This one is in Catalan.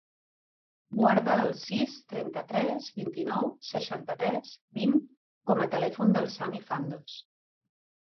Guarda el sis, trenta-tres, vint-i-nou, seixanta-tres, vint com a telèfon del Sami Fandos.